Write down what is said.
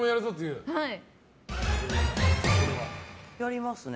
やりますね。